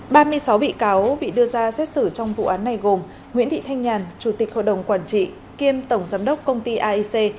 ba mươi sáu bị cáo bị đưa ra xét xử trong vụ án này gồm nguyễn thị thanh nhàn chủ tịch hội đồng quản trị kiêm tổng giám đốc công ty aic